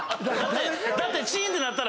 だって。